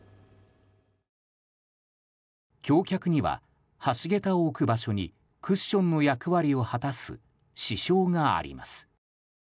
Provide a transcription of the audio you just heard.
橋脚には橋桁を置く場所にクッションの役割を果たす支承があります。